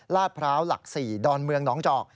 พร้าวหลัก๔ดอนเมืองหนองจอก